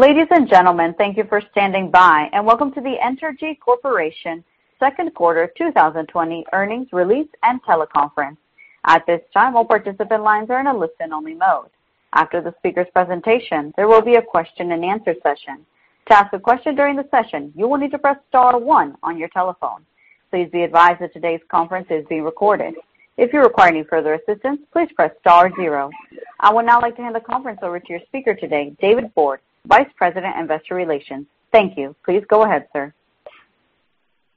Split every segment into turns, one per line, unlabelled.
Ladies and gentlemen, thank you for standing by, and welcome to the Entergy Corporation second quarter 2020 earnings release and teleconference. At this time, all participant lines are in a listen-only mode. After the speaker's presentation, there will be a question and answer session. To ask a question during the session, you will need to press star one on your telephone. Please be advised that today's conference is being recorded. If you require any further assistance, please press star zero. I would now like to hand the conference over to your speaker today, David Borde, Vice President, Investor Relations. Thank you. Please go ahead, sir.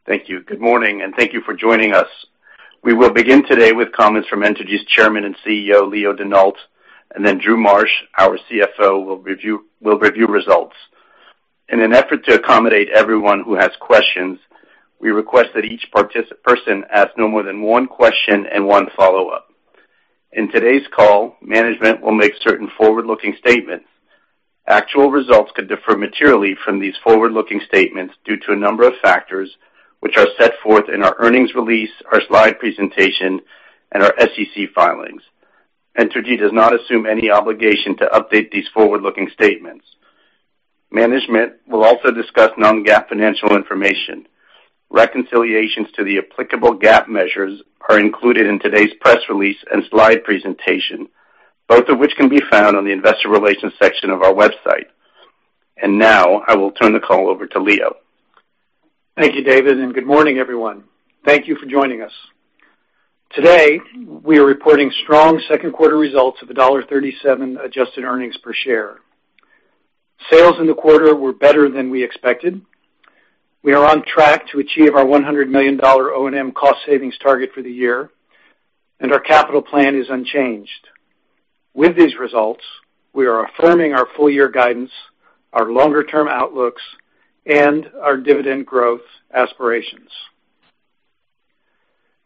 Thank you. Good morning, and thank you for joining us. We will begin today with comments from Entergy's Chairman and CEO, Leo Denault, and then Drew Marsh, our CFO, will review results. In an effort to accommodate everyone who has questions, we request that each person ask no more than one question and one follow-up. In today's call, management will make certain forward-looking statements. Actual results could differ materially from these forward-looking statements due to a number of factors, which are set forth in our earnings release, our slide presentation, and our SEC filings. Entergy does not assume any obligation to update these forward-looking statements. Management will also discuss non-GAAP financial information. Reconciliations to the applicable GAAP measures are included in today's press release and slide presentation, both of which can be found on the investor relations section of our website. Now, I will turn the call over to Leo.
Thank you, David, good morning, everyone. Thank you for joining us. Today, we are reporting strong second quarter results of $1.37 adjusted earnings per share. Sales in the quarter were better than we expected. We are on track to achieve our $100 million O&M cost savings target for the year, and our capital plan is unchanged. With these results, we are affirming our full year guidance, our longer-term outlooks, and our dividend growth aspirations.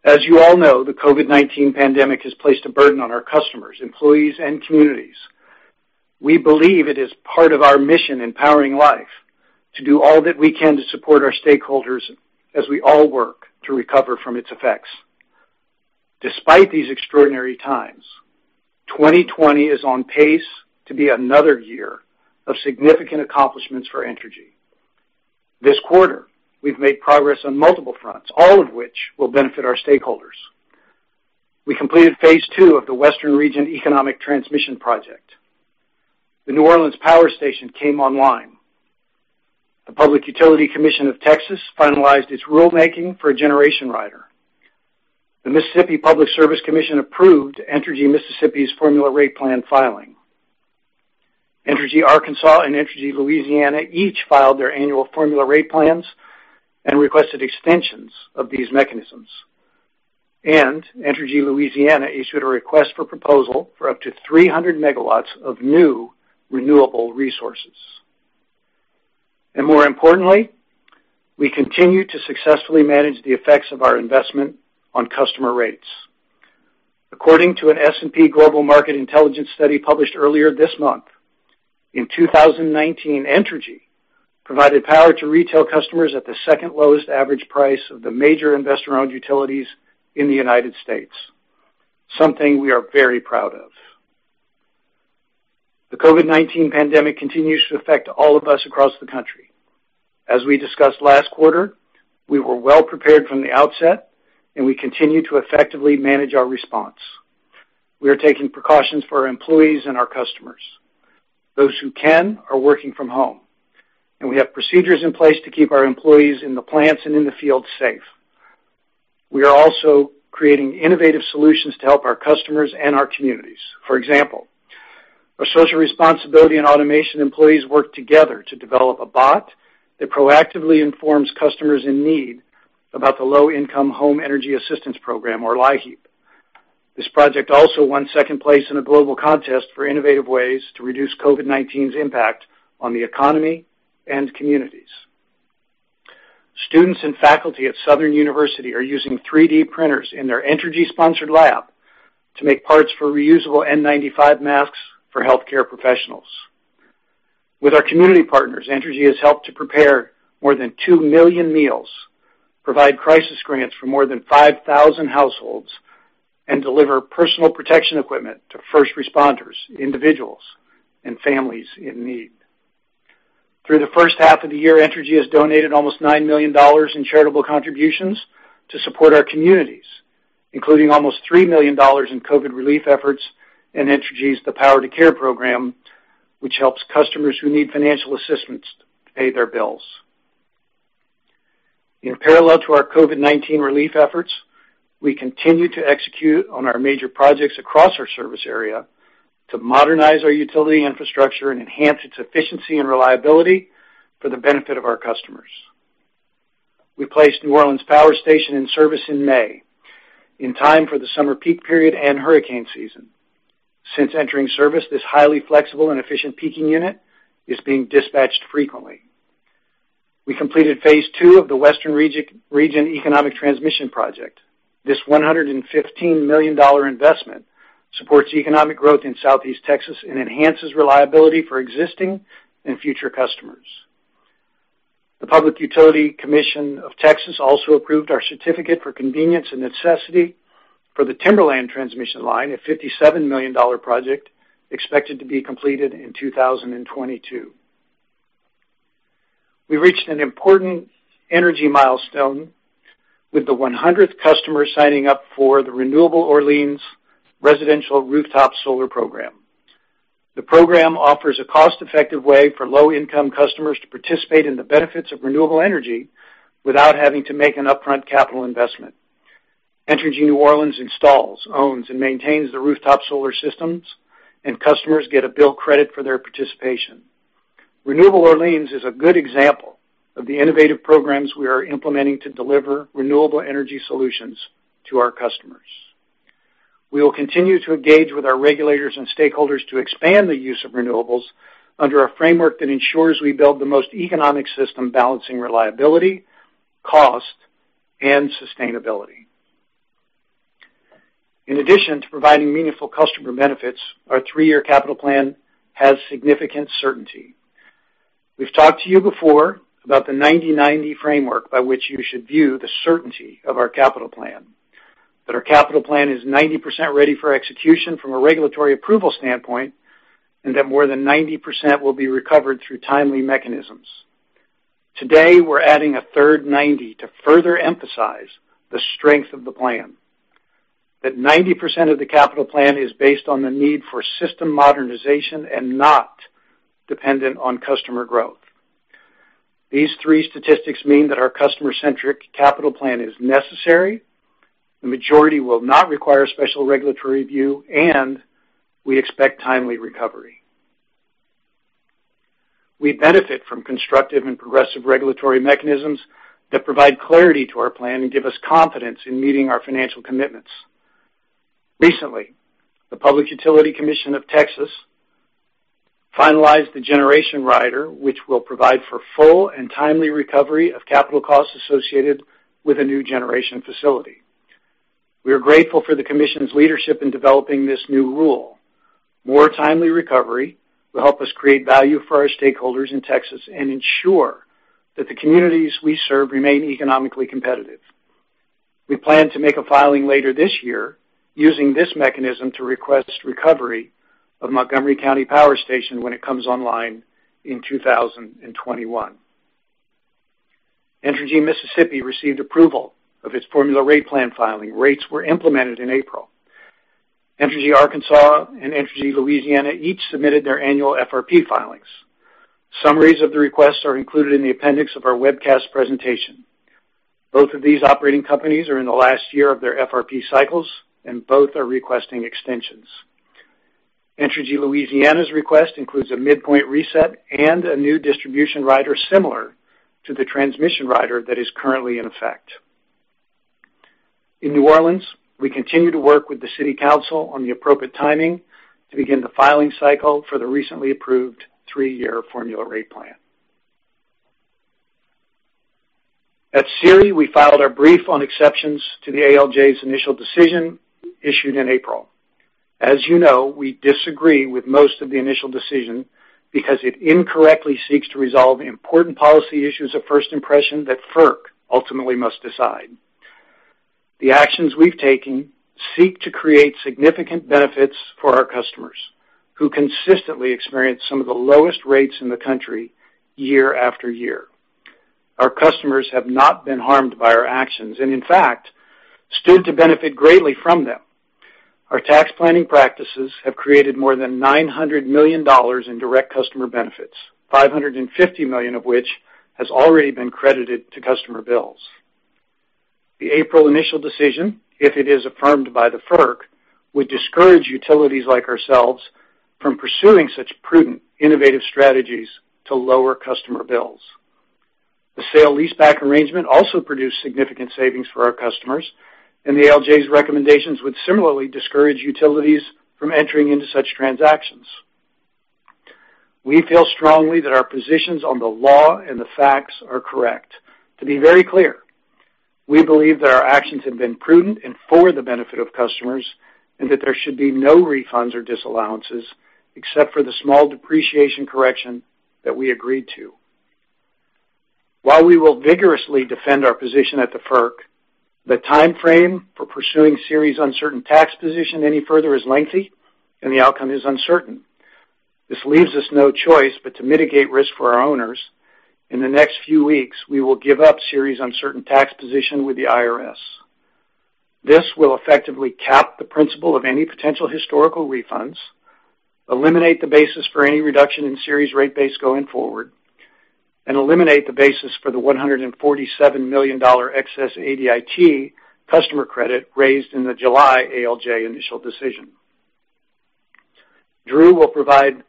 As you all know, the COVID-19 pandemic has placed a burden on our customers, employees, and communities. We believe it is part of our mission in powering life to do all that we can to support our stakeholders as we all work to recover from its effects. Despite these extraordinary times, 2020 is on pace to be another year of significant accomplishments for Entergy. This quarter, we've made progress on multiple fronts, all of which will benefit our stakeholders. We completed phase II of the Western Region Economic Project. The New Orleans Power Station came online. The Public Utility Commission of Texas finalized its rulemaking for a generation rider. The Mississippi Public Service Commission approved Entergy Mississippi's formula rate plan filing. Entergy Arkansas and Entergy Louisiana each filed their annual formula rate plans and requested extensions of these mechanisms. Entergy Louisiana issued a request for proposal for up to 300 MW of new renewable resources. More importantly, we continue to successfully manage the effects of our investment on customer rates. According to an S&P Global Market Intelligence study published earlier this month, in 2019, Entergy provided power to retail customers at the second lowest average price of the major investor-owned utilities in the U.S., something we are very proud of. The COVID-19 pandemic continues to affect all of us across the country. As we discussed last quarter, we were well-prepared from the outset and we continue to effectively manage our response. We are taking precautions for our employees and our customers. Those who can, are working from home, and we have procedures in place to keep our employees in the plants and in the field safe. We are also creating innovative solutions to help our customers and our communities. For example, our social responsibility and automation employees worked together to develop a bot that proactively informs customers in need about the Low Income Home Energy Assistance Program, or LIHEAP. This project also won second place in a global contest for innovative ways to reduce COVID-19's impact on the economy and communities. Students and faculty at Southern University are using 3D printers in their Entergy-sponsored lab to make parts for reusable N95 masks for healthcare professionals. With our community partners, Entergy has helped to prepare more than 2 million meals, provide crisis grants for more than 5,000 households, and deliver personal protection equipment to first responders, individuals, and families in need. Through the first half of the year, Entergy has donated almost $9 million in charitable contributions to support our communities, including almost $3 million in COVID relief efforts and Entergy's The Power to Care program, which helps customers who need financial assistance to pay their bills. In parallel to our COVID-19 relief efforts, we continue to execute on our major projects across our service area to modernize our utility infrastructure and enhance its efficiency and reliability for the benefit of our customers. We placed New Orleans Power Station in service in May, in time for the summer peak period and hurricane season. Since entering service, this highly flexible and efficient peaking unit is being dispatched frequently. We completed phase II of the Western Region Economic Project. This $115 million investment supports economic growth in Southeast Texas and enhances reliability for existing and future customers. The Public Utility Commission of Texas also approved our certificate of convenience and necessity for the Timberland transmission line, a $57 million project expected to be completed in 2022. We reached an important energy milestone with the 100th customer signing up for the ReNEWable Orleans Residential Rooftop Solar program. The program offers a cost-effective way for low-income customers to participate in the benefits of renewable energy without having to make an upfront capital investment. Entergy New Orleans installs, owns, and maintains the rooftop solar systems. Customers get a bill credit for their participation. ReNEWable Orleans is a good example of the innovative programs we are implementing to deliver renewable energy solutions to our customers. We will continue to engage with our regulators and stakeholders to expand the use of renewables under a framework that ensures we build the most economic system balancing reliability, cost, and sustainability. In addition to providing meaningful customer benefits, our three-year capital plan has significant certainty. We've talked to you before about the 90/90 framework by which you should view the certainty of our capital plan, that our capital plan is 90% ready for execution from a regulatory approval standpoint, and that more than 90% will be recovered through timely mechanisms. Today, we're adding a third 90% to further emphasize the strength of the plan, that 90% of the capital plan is based on the need for system modernization and not dependent on customer growth. These three statistics mean that our customer-centric capital plan is necessary, the majority will not require special regulatory review, and we expect timely recovery. We benefit from constructive and progressive regulatory mechanisms that provide clarity to our plan and give us confidence in meeting our financial commitments. Recently, the Public Utility Commission of Texas finalized the generation rider, which will provide for full and timely recovery of capital costs associated with a new generation facility. We are grateful for the commission's leadership in developing this new rule. More timely recovery will help us create value for our stakeholders in Texas and ensure that the communities we serve remain economically competitive. We plan to make a filing later this year using this mechanism to request recovery of Montgomery County Power Station when it comes online in 2021. Entergy Mississippi received approval of its formula rate plan filing. Rates were implemented in April. Entergy Arkansas and Entergy Louisiana each submitted their annual FRP filings. Summaries of the requests are included in the appendix of our webcast presentation. Both of these operating companies are in the last year of their FRP cycles, and both are requesting extensions. Entergy Louisiana's request includes a midpoint reset and a new distribution rider similar to the transmission rider that is currently in effect. In New Orleans, we continue to work with the city council on the appropriate timing to begin the filing cycle for the recently approved three-year formula rate plan. At SERI, we filed our brief on exceptions to the ALJ's initial decision issued in April. As you know, we disagree with most of the initial decision because it incorrectly seeks to resolve important policy issues of first impression that FERC ultimately must decide. The actions we've taken seek to create significant benefits for our customers, who consistently experience some of the lowest rates in the country year after year. Our customers have not been harmed by our actions, and in fact, stood to benefit greatly from them. Our tax planning practices have created more than $900 million in direct customer benefits, $550 million of which has already been credited to customer bills. The April initial decision, if it is affirmed by the FERC, would discourage utilities like ourselves from pursuing such prudent, innovative strategies to lower customer bills. The sale leaseback arrangement also produced significant savings for our customers, and the ALJ's recommendations would similarly discourage utilities from entering into such transactions. We feel strongly that our positions on the law and the facts are correct. To be very clear, we believe that our actions have been prudent and for the benefit of customers, and that there should be no refunds or disallowances except for the small depreciation correction that we agreed to. While we will vigorously defend our position at the FERC, the timeframe for pursuing SERI's uncertain tax position any further is lengthy and the outcome is uncertain. This leaves us no choice but to mitigate risk for our owners. In the next few weeks, we will give up SERI's uncertain tax position with the IRS. This will effectively cap the principal of any potential historical refunds, eliminate the basis for any reduction in SERI's rate base going forward, and eliminate the basis for the $147 million excess ADIT customer credit raised in the July ALJ initial decision. Drew will provide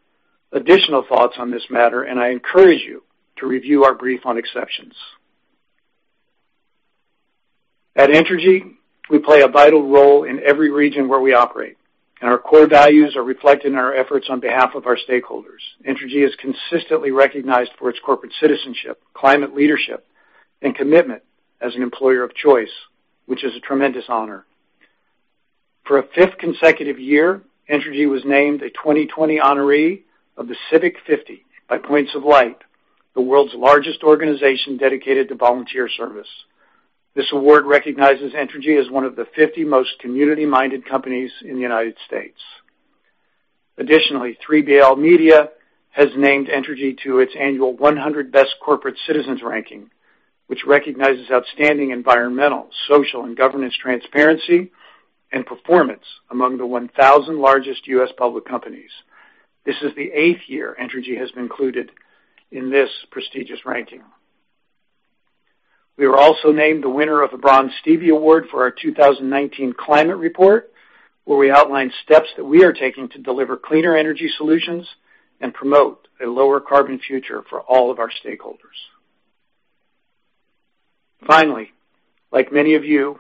additional thoughts on this matter, and I encourage you to review our brief on exceptions. At Entergy, we play a vital role in every region where we operate, and our core values are reflected in our efforts on behalf of our stakeholders. Entergy is consistently recognized for its corporate citizenship, climate leadership, and commitment as an employer of choice, which is a tremendous honor. For a fifth consecutive year, Entergy was named a 2020 honoree of the Civic 50 by Points of Light, the world's largest organization dedicated to volunteer service. This award recognizes Entergy as one of the 50 most community-minded companies in the United States. Additionally, 3BL Media has named Entergy to its annual 100 Best Corporate Citizens ranking, which recognizes outstanding environmental, social, and governance transparency and performance among the 1,000 largest U.S. public companies. This is the eighth year Entergy has been included in this prestigious ranking. We were also named the winner of the Bronze Stevie Award for our 2019 climate report, where we outlined steps that we are taking to deliver cleaner energy solutions and promote a lower carbon future for all of our stakeholders. Like many of you,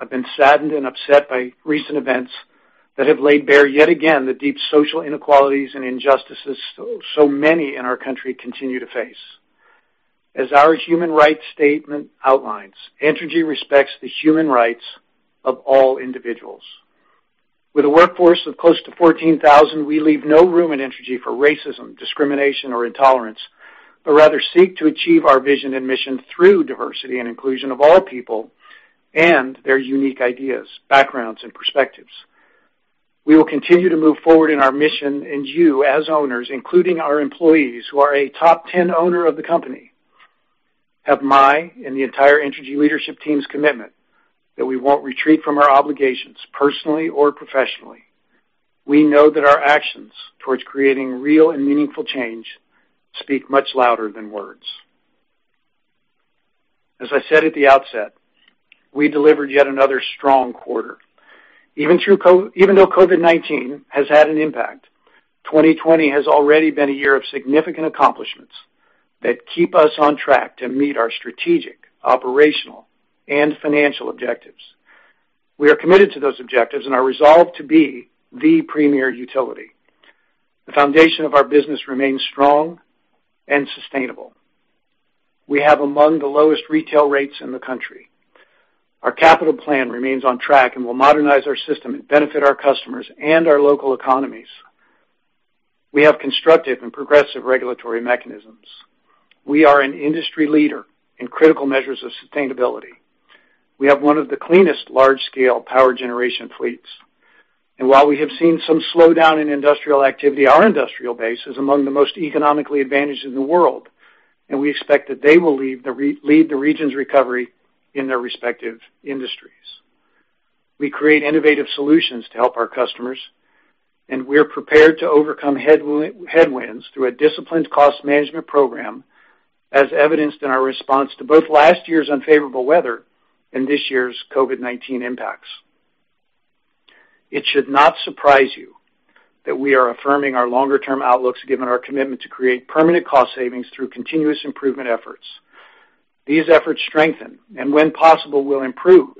I've been saddened and upset by recent events that have laid bare, yet again, the deep social inequalities and injustices so many in our country continue to face. As our human rights statement outlines, Entergy respects the human rights of all individuals. With a workforce of close to 14,000, we leave no room in Entergy for racism, discrimination, or intolerance, but rather seek to achieve our vision and mission through diversity and inclusion of all people and their unique ideas, backgrounds, and perspectives. We will continue to move forward in our mission, you as owners, including our employees, who are a top 10 owner of the company, have my and the entire Entergy leadership team's commitment that we won't retreat from our obligations, personally or professionally. We know that our actions towards creating real and meaningful change speak much louder than words. As I said at the outset, we delivered yet another strong quarter. Even though COVID-19 has had an impact, 2020 has already been a year of significant accomplishments that keep us on track to meet our strategic, operational, and financial objectives. We are committed to those objectives and are resolved to be the premier utility. The foundation of our business remains strong and sustainable. We have among the lowest retail rates in the country. Our capital plan remains on track and will modernize our system and benefit our customers and our local economies. We have constructive and progressive regulatory mechanisms. We are an industry leader in critical measures of sustainability. We have one of the cleanest large-scale power generation fleets. While we have seen some slowdown in industrial activity, our industrial base is among the most economically advantaged in the world, and we expect that they will lead the region's recovery in their respective industries. We create innovative solutions to help our customers, and we're prepared to overcome headwinds through a disciplined cost management program, as evidenced in our response to both last year's unfavorable weather and this year's COVID-19 impacts. It should not surprise you that we are affirming our longer-term outlooks given our commitment to create permanent cost savings through continuous improvement efforts. These efforts strengthen, and when possible, will improve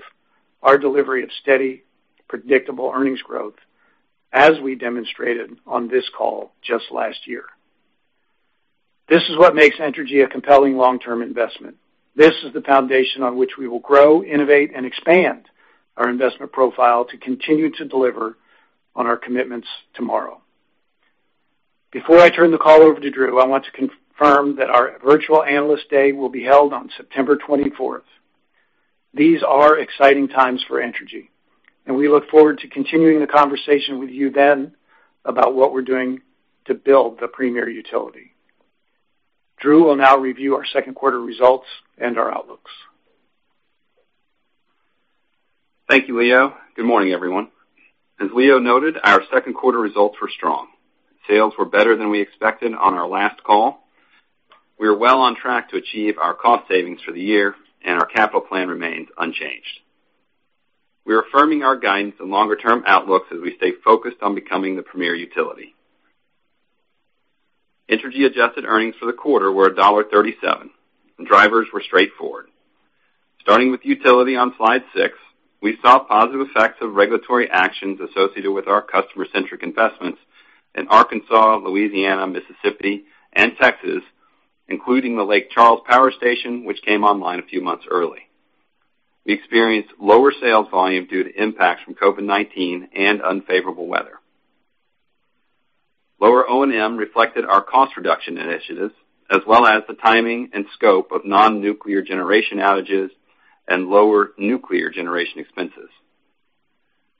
our delivery of steady, predictable earnings growth as we demonstrated on this call just last year. This is what makes Entergy a compelling long-term investment. This is the foundation on which we will grow, innovate, and expand our investment profile to continue to deliver on our commitments tomorrow. Before I turn the call over to Drew, I want to confirm that our virtual Analyst Day will be held on September 24th. These are exciting times for Entergy, and we look forward to continuing the conversation with you then about what we're doing to build the premier utility. Drew will now review our second quarter results and our outlooks.
Thank you, Leo. Good morning, everyone. As Leo noted, our second quarter results were strong. Sales were better than we expected on our last call. We are well on track to achieve our cost savings for the year, and our capital plan remains unchanged. We're affirming our guidance and longer-term outlooks as we stay focused on becoming the premier utility. Entergy adjusted earnings for the quarter were $1.37. Drivers were straightforward. Starting with utility on slide six, we saw positive effects of regulatory actions associated with our customer-centric investments in Arkansas, Louisiana, Mississippi, and Texas, including the Lake Charles Power Station, which came online a few months early. We experienced lower sales volume due to impacts from COVID-19 and unfavorable weather. Lower O&M reflected our cost reduction initiatives, as well as the timing and scope of non-nuclear generation outages and lower nuclear generation expenses.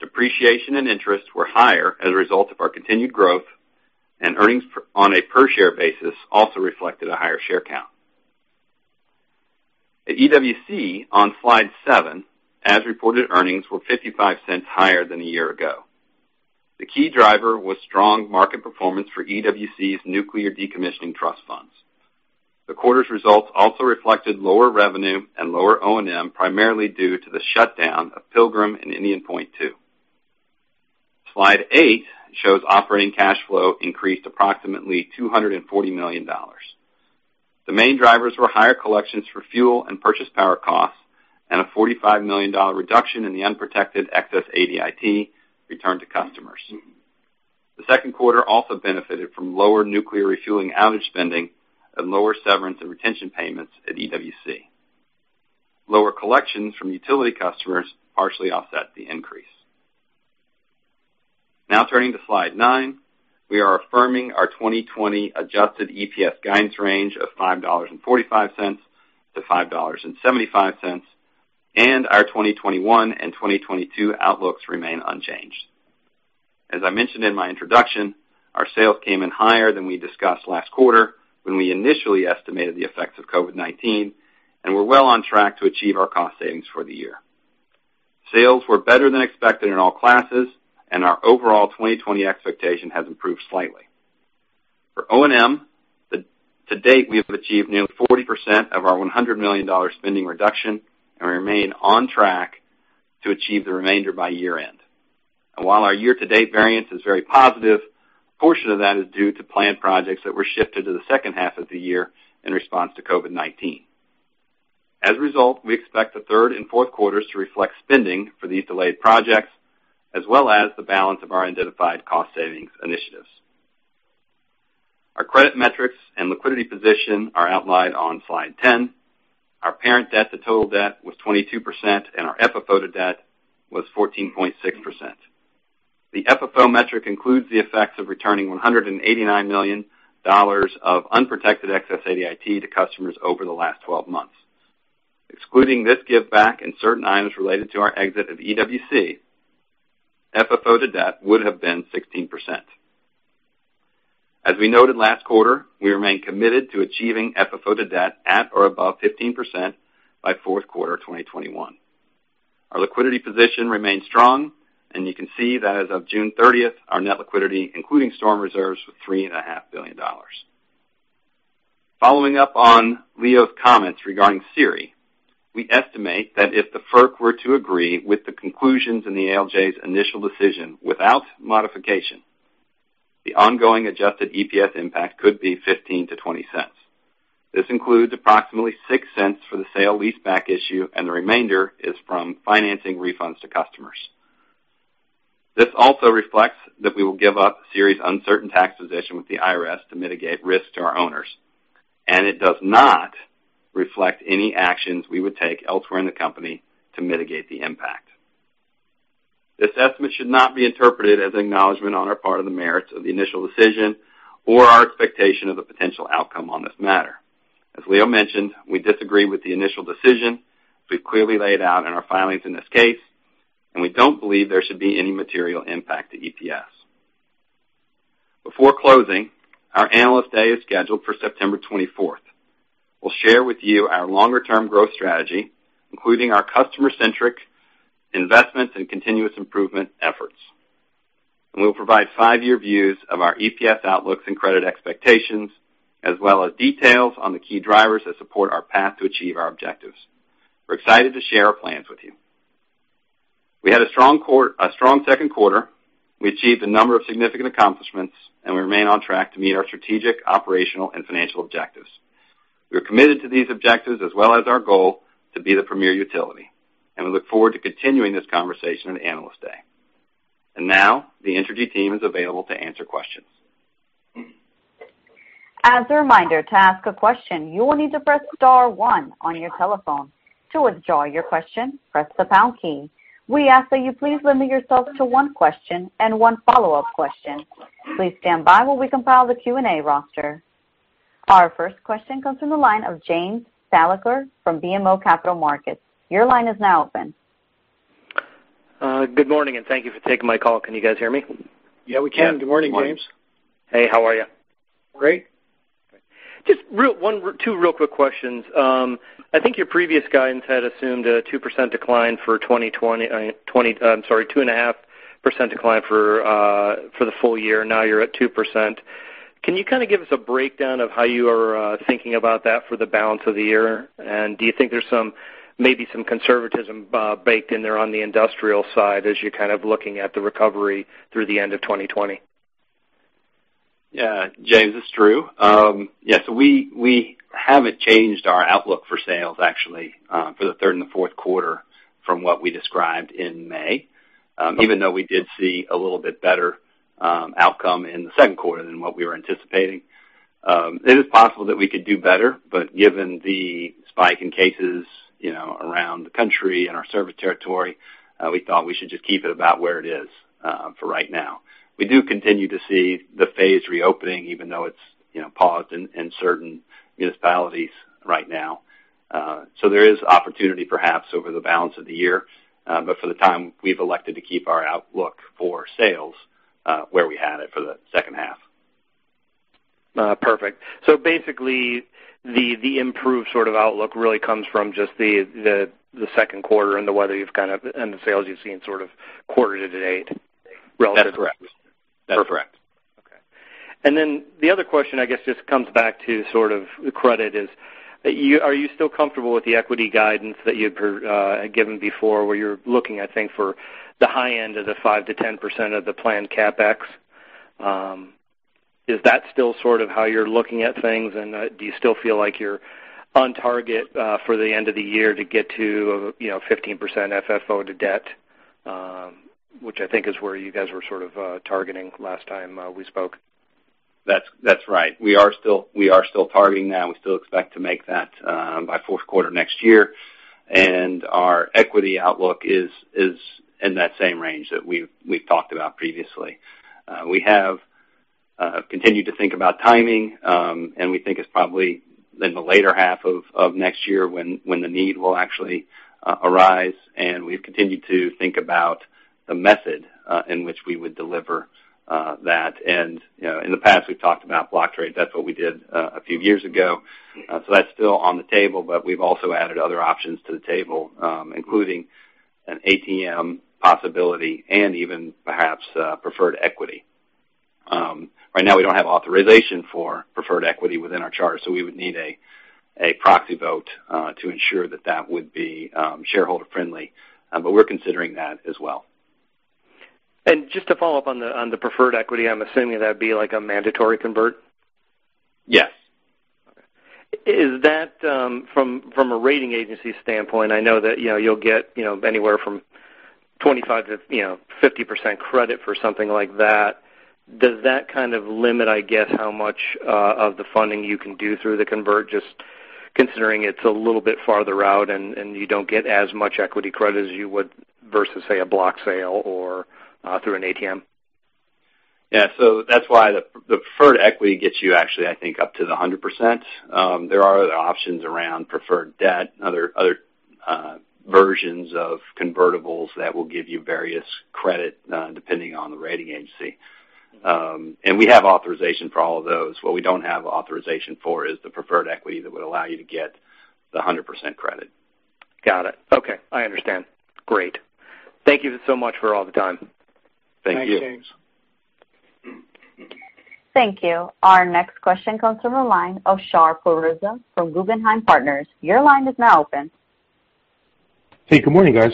Depreciation and interest were higher as a result of our continued growth, and earnings on a per share basis also reflected a higher share count. At EWC on slide seven, as-reported earnings were $0.55 higher than a year ago. The key driver was strong market performance for EWC's nuclear decommissioning trust funds. The quarter's results also reflected lower revenue and lower O&M, primarily due to the shutdown of Pilgrim and Indian Point 2. Slide eight shows operating cash flow increased approximately $240 million. The main drivers were higher collections for fuel and purchase power costs and a $45 million reduction in the unprotected excess ADIT returned to customers. The second quarter also benefited from lower nuclear refueling outage spending and lower severance and retention payments at EWC. Lower collections from utility customers partially offset the increase. Turning to slide nine. We are affirming our 2020 adjusted EPS guidance range of $5.45-$5.75. Our 2021 and 2022 outlooks remain unchanged. As I mentioned in my introduction, our sales came in higher than we discussed last quarter when we initially estimated the effects of COVID-19, and we're well on track to achieve our cost savings for the year. Sales were better than expected in all classes, and our overall 2020 expectation has improved slightly. For O&M, to date, we have achieved nearly 40% of our $100 million spending reduction and remain on track to achieve the remainder by year-end. While our year-to-date variance is very positive, a portion of that is due to planned projects that were shifted to the second half of the year in response to COVID-19. As a result, we expect the third and fourth quarters to reflect spending for these delayed projects, as well as the balance of our identified cost savings initiatives. Our credit metrics and liquidity position are outlined on slide 10. Our parent debt to total debt was 22%, and our FFO to debt was 14.6%. The FFO metric includes the effects of returning $189 million of unprotected excess ADIT to customers over the last 12 months. Excluding this give back and certain items related to our exit of EWC, FFO to debt would have been 16%. As we noted last quarter, we remain committed to achieving FFO to debt at or above 15% by fourth quarter 2021. Our liquidity position remains strong, and you can see that as of June 30th, our net liquidity, including storm reserves, was $3.5 billion. Following up on Leo's comments regarding SERI, we estimate that if the FERC were to agree with the conclusions in the ALJ's initial decision without modification, the ongoing adjusted EPS impact could be $0.15-$0.20. This includes approximately $0.06 for the sale leaseback issue, and the remainder is from financing refunds to customers. This also reflects that we will give up SERI's uncertain tax position with the IRS to mitigate risk to our owners, and it does not reflect any actions we would take elsewhere in the company to mitigate the impact. This estimate should not be interpreted as acknowledgment on our part of the merits of the initial decision or our expectation of the potential outcome on this matter. As Leo mentioned, we disagree with the initial decision. We've clearly laid out in our filings in this case, and we don't believe there should be any material impact to EPS. Before closing, our Analyst Day is scheduled for September 24th. We'll share with you our longer-term growth strategy, including our customer-centric investments and continuous improvement efforts. We'll provide five-year views of our EPS outlooks and credit expectations, as well as details on the key drivers that support our path to achieve our objectives. We're excited to share our plans with you. We had a strong second quarter. We achieved a number of significant accomplishments, and we remain on track to meet our strategic, operational, and financial objectives. We are committed to these objectives as well as our goal to be the premier utility, and we look forward to continuing this conversation on Analyst Day. Now, the Entergy team is available to answer questions.
As a reminder, to ask a question, you will need to press star one on your telephone. To withdraw your question, press the pound key. We ask that you please limit yourself to one question and one follow-up question. Please stand by while we compile the Q&A roster. Our first question comes from the line of James Thalacker from BMO Capital Markets. Your line is now open.
Good morning, thank you for taking my call. Can you guys hear me?
Yeah, we can. Good morning, James.
Hey, how are you?
Great.
Just two real quick questions. I think your previous guidance had assumed a 2% decline for 2020. I'm sorry, 2.5% decline for the full year. Now you're at 2%. Can you kind of give us a breakdown of how you are thinking about that for the balance of the year? Do you think there's maybe some conservatism baked in there on the industrial side as you're kind of looking at the recovery through the end of 2020?
Yeah. James, it's Drew. Yes, we haven't changed our outlook for sales actually, for the third and the fourth quarter from what we described in May. Even though we did see a little bit better outcome in the second quarter than what we were anticipating. Given the spike in cases around the country and our service territory, we thought we should just keep it about where it is for right now. We do continue to see the phased reopening, even though it's paused in certain municipalities right now. There is opportunity perhaps over the balance of the year. For the time, we've elected to keep our outlook for sales where we had it for the second half.
Perfect. Basically, the improved sort of outlook really comes from just the second quarter and the sales you've seen sort of quarter to date relative.
That's correct.
Perfect. Okay. The other question, I guess, just comes back to sort of the credit is, are you still comfortable with the equity guidance that you had given before where you're looking, I think, for the high end of the 5%-10% of the planned CapEx? Is that still sort of how you're looking at things, and do you still feel like you're on target for the end of the year to get to 15% FFO to debt, which I think is where you guys were sort of targeting last time we spoke?
That's right. We are still targeting that. We still expect to make that by fourth quarter next year. Our equity outlook is in that same range that we've talked about previously. We have continued to think about timing, and we think it's probably in the later half of next year when the need will actually arise, and we've continued to think about the method in which we would deliver that. In the past, we've talked about block trade. That's what we did a few years ago. That's still on the table, but we've also added other options to the table, including an ATM possibility and even perhaps preferred equity. Right now, we don't have authorization for preferred equity within our charter, so we would need a proxy vote to ensure that that would be shareholder-friendly. We're considering that as well.
Just to follow up on the preferred equity, I'm assuming that'd be like a mandatory convert?
Yes.
Is that from a rating agency standpoint, I know that you'll get anywhere from 25% to 50% credit for something like that. Does that kind of limit, I guess, how much of the funding you can do through the convert, just considering it's a little bit farther out and you don't get as much equity credit as you would versus, say, a block sale or through an ATM?
That's why the preferred equity gets you actually, I think, up to the 100%. There are other options around preferred debt and other versions of convertibles that will give you various credit depending on the rating agency. We have authorization for all of those. What we don't have authorization for is the preferred equity that would allow you to get the 100% credit.
Got it. Okay. I understand. Great. Thank you so much for all the time.
Thank you.
Thanks, James.
Thank you. Our next question comes from the line of Shar Pourreza from Guggenheim Partners. Your line is now open.
Hey, good morning, guys.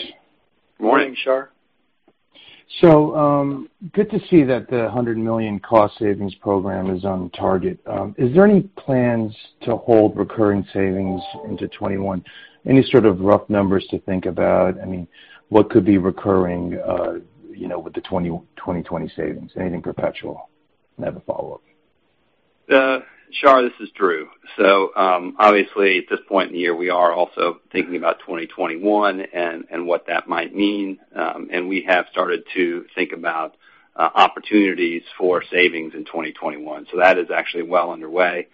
Morning, Shar.
Good to see that the $100 million cost savings program is on target. Is there any plans to hold recurring savings into 2021? Any sort of rough numbers to think about? I mean, what could be recurring with the 2020 savings? Anything perpetual? I have a follow-up.
Shar, this is Drew. Obviously at this point in the year, we are also thinking about 2021 and what that might mean. We have started to think about opportunities for savings in 2021. That is actually well underway.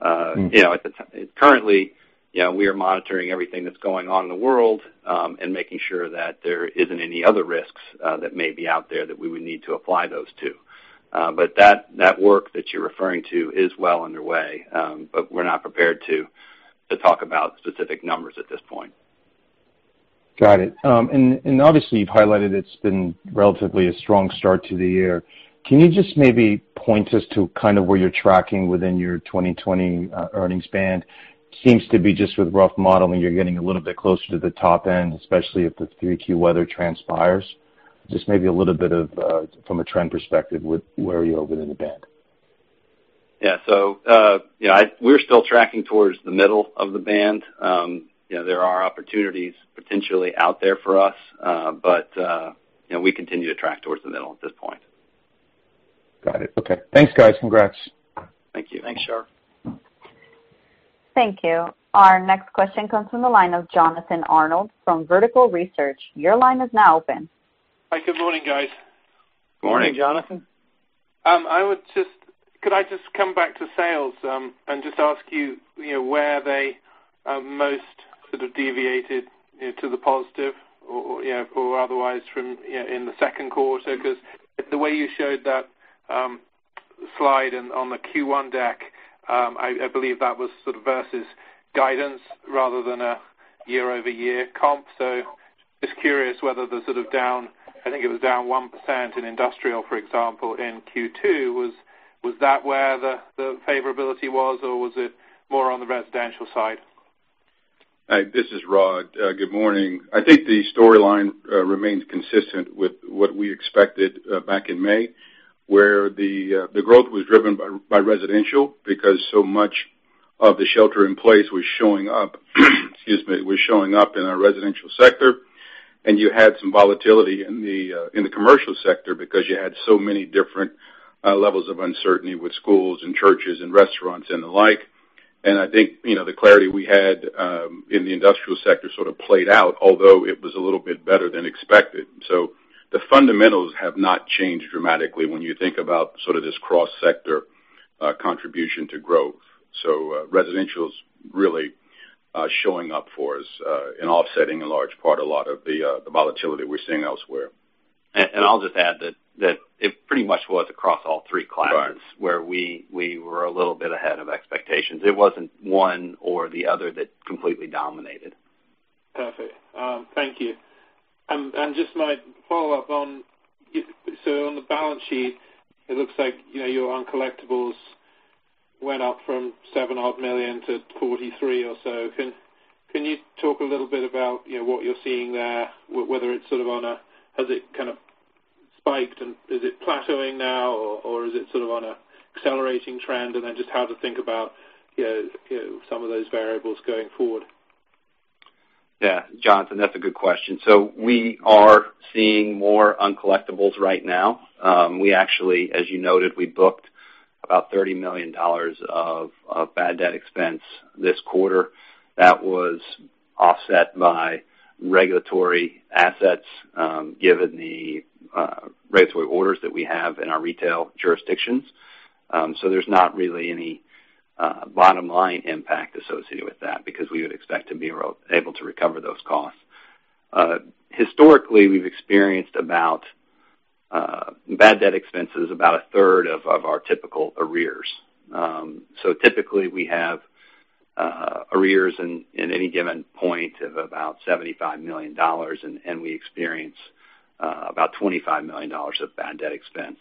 Currently, we are monitoring everything that's going on in the world and making sure that there isn't any other risks that may be out there that we would need to apply those to. That work that you're referring to is well underway. We're not prepared to talk about specific numbers at this point.
Got it. Obviously, you've highlighted it's been relatively a strong start to the year. Can you just maybe point us to kind of where you're tracking within your 2020 earnings band? Seems to be just with rough modeling, you're getting a little bit closer to the top end, especially if the 3Q weather transpires. Just maybe a little bit of from a trend perspective with where are you within the band?
Yeah. We're still tracking towards the middle of the band. There are opportunities potentially out there for us. We continue to track towards the middle at this point.
Got it. Okay. Thanks, guys. Congrats.
Thank you.
Thanks, Shar.
Thank you. Our next question comes from the line of Jonathan Arnold from Vertical Research. Your line is now open.
Hi. Good morning, guys.
Morning.
Morning, Jonathan.
Could I just come back to sales and just ask you where they most sort of deviated to the positive or otherwise in the second quarter? The way you showed that slide on the Q1 deck, I believe that was sort of versus guidance rather than a year-over-year comp. Just curious whether the sort of down, I think it was down 1% in industrial, for example, in Q2. Was that where the favorability was, or was it more on the residential side?
This is Rod. Good morning. I think the storyline remains consistent with what we expected back in May, where the growth was driven by residential because so much of the shelter in place was showing up in our residential sector. You had some volatility in the commercial sector because you had so many different levels of uncertainty with schools and churches and restaurants and the like. I think the clarity we had in the industrial sector sort of played out, although it was a little bit better than expected. The fundamentals have not changed dramatically when you think about sort of this cross-sector contribution to growth. Residential's really showing up for us and offsetting a large part, a lot of the volatility we're seeing elsewhere.
I'll just add that it pretty much was across all three classes.
Right.
Where we were a little bit ahead of expectations. It wasn't one or the other that completely dominated.
Perfect. Thank you. My follow-up on the balance sheet, it looks like your uncollectibles went up from $7 odd million to $43 million or so. Can you talk a little bit about what you're seeing there, whether has it kind of spiked, and is it plateauing now, or is it sort of on an accelerating trend? Just how to think about some of those variables going forward.
Yeah, Jonathan, that's a good question. We are seeing more uncollectibles right now. We actually, as you noted, we booked about $30 million of bad debt expense this quarter. That was offset by regulatory assets, given the regulatory orders that we have in our retail jurisdictions. There's not really any bottom line impact associated with that because we would expect to be able to recover those costs. Historically, we've experienced bad debt expenses about a third of our typical arrears. Typically, we have arrears in any given point of about $75 million, and we experience about $25 million of bad debt expense.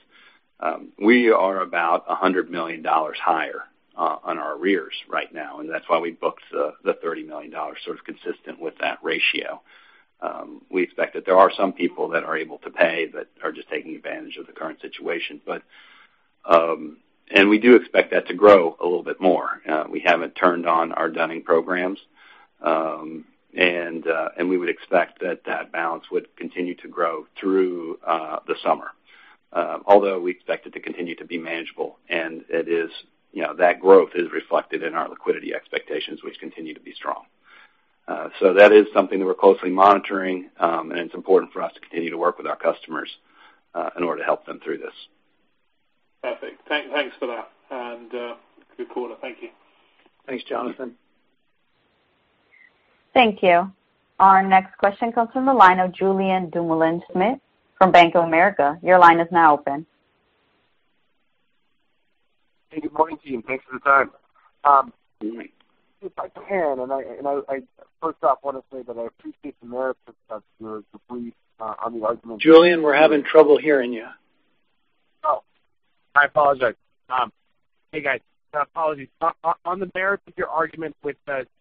We are about $100 million higher on our arrears right now, and that's why we booked the $30 million sort of consistent with that ratio. We expect that there are some people that are able to pay that are just taking advantage of the current situation. We do expect that to grow a little bit more. We haven't turned on our dunning programs. We would expect that that balance would continue to grow through the summer. Although we expect it to continue to be manageable. That growth is reflected in our liquidity expectations, which continue to be strong. That is something that we're closely monitoring. It's important for us to continue to work with our customers in order to help them through this.
Perfect. Thanks for that. Good quarter. Thank you.
Thanks, Jonathan.
Thank you. Our next question comes from the line of Julien Dumoulin-Smith from Bank of America. Your line is now open.
Hey, good morning, team. Thanks for the time. If I can, and I first off want to say that I appreciate the merits of your brief on the argument.
Julien, we're having trouble hearing you.
Oh, I apologize. Hey, guys. Apologies. On the merits of your argument with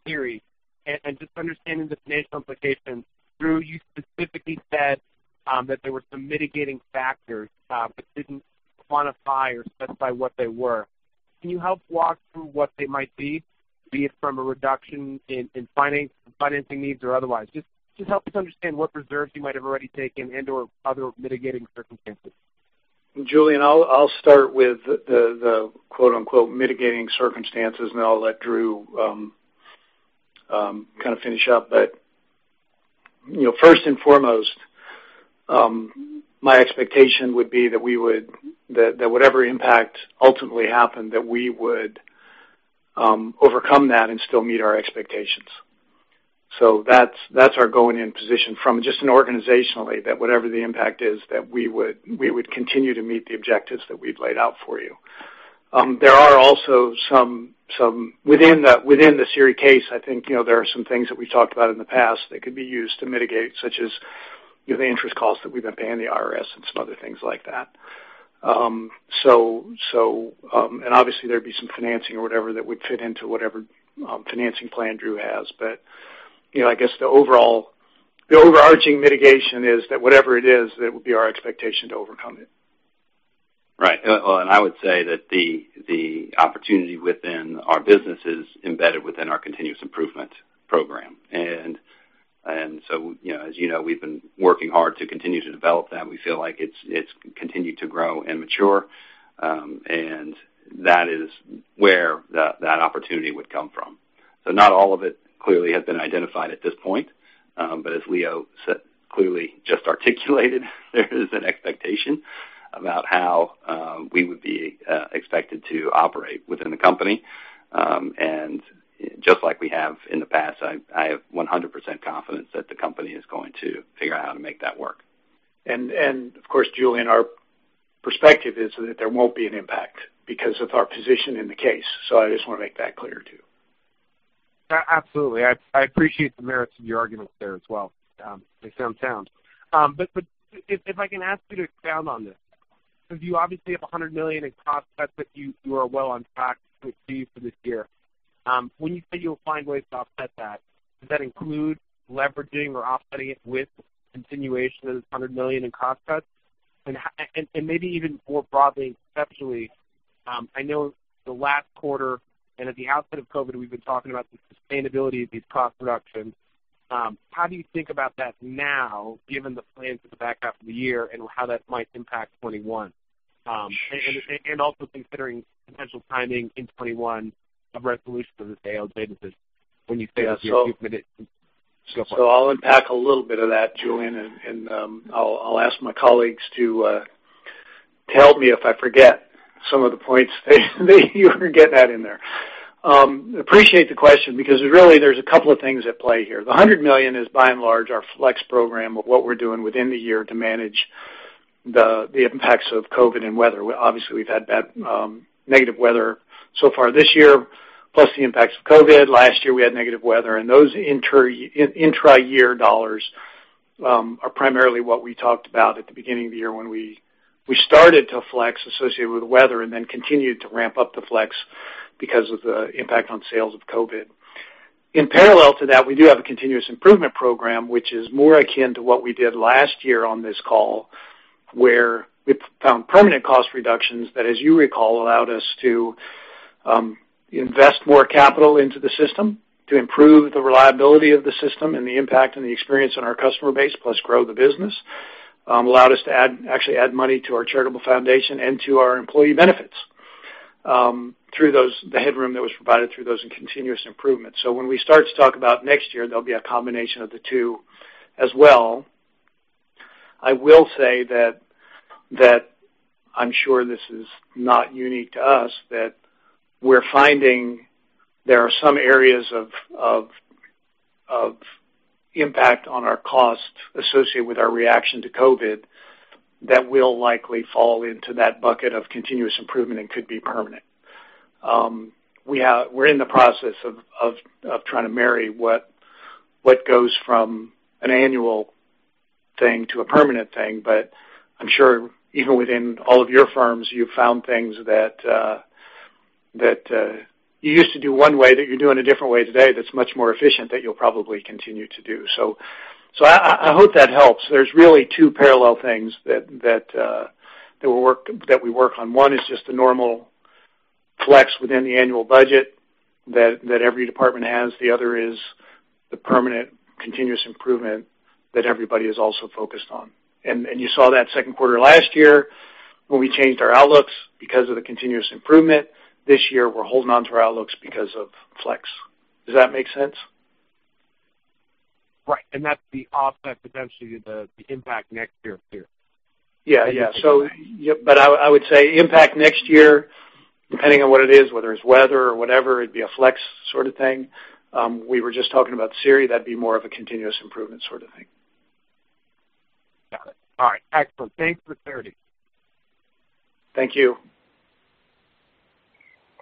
SERI, and just understanding the financial implications. Drew, you specifically said that there were some mitigating factors but didn't quantify or specify what they were. Can you help walk through what they might be it from a reduction in financing needs or otherwise? Just help us understand what reserves you might have already taken and/or other mitigating circumstances.
Julien, I'll start with the "mitigating circumstances," and then I'll let Drew kind of finish up. First and foremost, my expectation would be that whatever impact ultimately happened, that we would overcome that and still meet our expectations. That's our going in position from just an organizationally, that whatever the impact is, that we would continue to meet the objectives that we've laid out for you. There are also some within the SERI case, I think there are some things that we've talked about in the past that could be used to mitigate, such as the interest costs that we've been paying the IRS and some other things like that. Obviously there'd be some financing or whatever that would fit into whatever financing plan Drew has. I guess the overarching mitigation is that whatever it is, that it would be our expectation to overcome it.
Right. I would say that the opportunity within our business is embedded within our continuous improvement program. As you know, we've been working hard to continue to develop that. We feel like it's continued to grow and mature. That is where that opportunity would come from. Not all of it clearly has been identified at this point. As Leo clearly just articulated, there is an expectation about how we would be expected to operate within the company. Just like we have in the past, I have 100% confidence that the company is going to figure out how to make that work.
Of course, Julien, our perspective is that there won't be an impact because of our position in the case. I just want to make that clear, too.
Absolutely. I appreciate the merits of your argument there as well. They sound sound. If I can ask you to expound on this, because you obviously have $100 million in cost cuts that you are well on track to achieve for this year. When you say you'll find ways to offset that, does that include leveraging or offsetting it with continuation of this $100 million in cost cuts? Maybe even more broadly and conceptually, I know the last quarter and at the outset of COVID-19, we've been talking about the sustainability of these cost reductions. How do you think about that now, given the plans for the back half of the year and how that might impact 2021? Also considering potential timing in 2021 of resolution to the sales businesses when you say that you're committed so far.
I'll unpack a little bit of that, Julien, and I'll ask my colleagues to tell me if I forget some of the points. You're going to get that in there. Appreciate the question because really there's a couple of things at play here. The $100 million is by and large our flex program of what we're doing within the year to manage the impacts of COVID and weather. Obviously, we've had bad negative weather so far this year, plus the impacts of COVID. Last year, we had negative weather. Those intra-year dollars are primarily what we talked about at the beginning of the year when we started to flex associated with the weather and then continued to ramp up the flex because of the impact on sales of COVID. In parallel to that, we do have a continuous improvement program, which is more akin to what we did last year on this call, where we found permanent cost reductions that, as you recall, allowed us to invest more capital into the system to improve the reliability of the system and the impact and the experience on our customer base, plus grow the business. Allowed us to actually add money to our charitable foundation and to our employee benefits through the headroom that was provided through those in continuous improvements. When we start to talk about next year, there'll be a combination of the two as well. I will say that I'm sure this is not unique to us, that we're finding there are some areas of impact on our cost associated with our reaction to COVID that will likely fall into that bucket of continuous improvement and could be permanent. We're in the process of trying to marry what goes from an annual thing to a permanent thing. I'm sure even within all of your firms, you've found things that you used to do one way that you're doing a different way today that's much more efficient that you'll probably continue to do. I hope that helps. There's really two parallel things that we work on. One is just the normal flex within the annual budget that every department has. The other is the permanent continuous improvement that everybody is also focused on. You saw that second quarter last year when we changed our outlooks because of the continuous improvement. This year, we're holding onto our outlooks because of flex. Does that make sense?
Right. That's the offset potentially the impact next year here.
Yeah. I would say impact next year, depending on what it is, whether it's weather or whatever, it'd be a flex sort of thing. We were just talking about SERI, that'd be more of a continuous improvement sort of thing.
Got it. All right. Excellent. Thanks for the clarity.
Thank you.